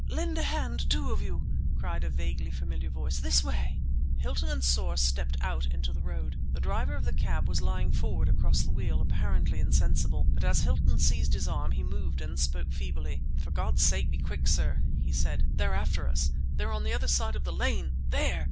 "Lend a hand, two of you!" cried a vaguely familiar voice—"this way!" Hilton and Soar stepped out into the road. The driver of the cab was lying forward across the wheel, apparently insensible, but as Hilton seized his arm he moved and spoke feebly. "For God's sake be quick, sir!" he said. "They're after us! They're on the other side of the lane, there!"